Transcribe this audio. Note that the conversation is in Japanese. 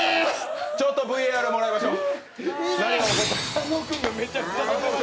ちょっとＶＡＲもらいましょう。